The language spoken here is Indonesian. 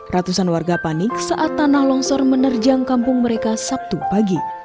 ratusan warga panik saat tanah longsor menerjang kampung mereka sabtu pagi